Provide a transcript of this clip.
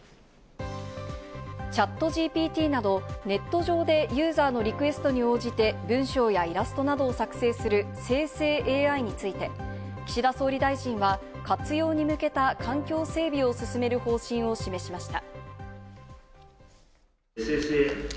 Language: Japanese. ＣｈａｔＧＰＴなどネット上でユーザーのリクエストに応じて文章やイラストなどを作成する生成ＡＩについて、岸田総理大臣は活用に向けた環境整備を進める方針を示しました。